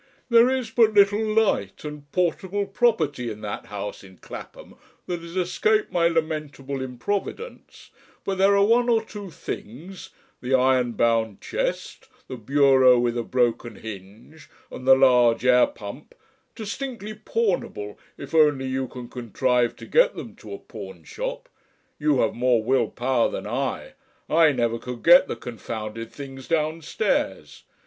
"There is but little light, and portable property in that house in Clapham that has escaped my lamentable improvidence, but there are one or two things the iron bound chest, the bureau with a broken hinge, and the large air pump distinctly pawnable if only you can contrive to get them to a pawnshop. You have more Will power than I I never could get the confounded things downstairs.